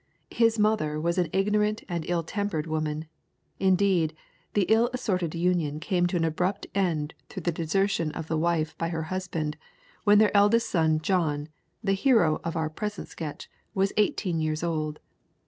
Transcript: His mother was an ignorant and ill tempered woman; indeed, the ill assorted union came to an abrupt end through the desertion of the wife by her husband when their eldest son John, the hero of our present sketch, was eighteen years old.